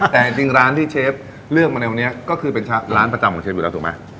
แต่จริงร้านที่เชฟเลือกมาในวันนี้ก็คือเป็นร้านประจำของเชฟอยู่แล้วถูกไหม